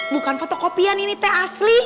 bukan fotokopian ini teh asli